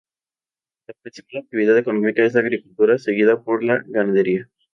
La principal actividad económica es la agricultura seguida por la ganadería.